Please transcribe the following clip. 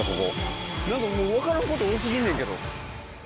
何かもう分からんこと多過ぎんねんけど。